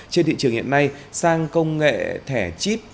trên thị trường hiện nay sang công nghệ thẻ chip